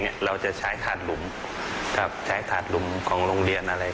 เราจะใช้ถาดหลุมครับใช้ถาดหลุมของโรงเรียนอะไร